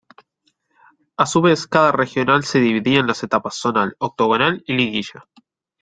A su vez cada Regional se dividía en las etapas Zonal, Octogonal y Liguilla.